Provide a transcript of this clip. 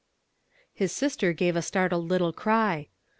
His sister gave a startled little cry.